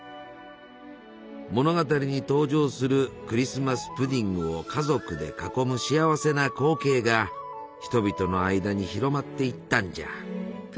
物語に登場するクリスマス・プディングを家族で囲む幸せな光景が人々の間に広まっていったんじゃ。